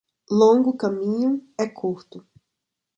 Longo caminho, é curto.